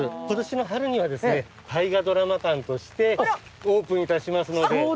今年の春にはですね大河ドラマ館としてオープンいたしますので。